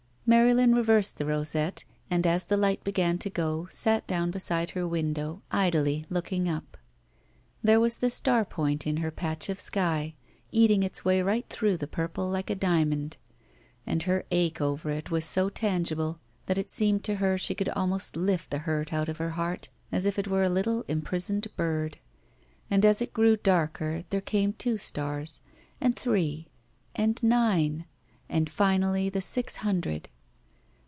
Marylin reversed the rosette, and as the light began to go sat down beside her window, idly, looking up. There was the star point in her patch of sky, eating its way right through the purple like a diamond, and her ache over it was so tangible that it seemed to her she could almost lift the hurt out of her heart, as if it were a little imprisoned bird. And as it grew darker there came two stars, and three, and nine, and finally the sixty htmdred.